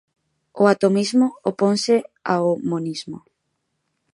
O atomismo oponse ao monismo.